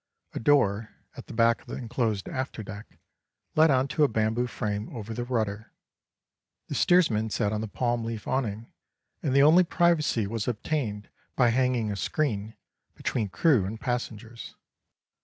A door, at the back of the enclosed after deck, led on to a bamboo frame over the rudder; the steersman sat on the palm leaf awning, and the only privacy was obtained by hanging a screen between crew and passengers.